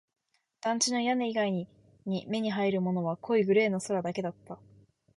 団地の屋根以外に目に入るものは濃いグレーの空だけだった